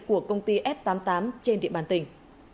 của công ty f tám mươi tám trên địa bàn tỉnh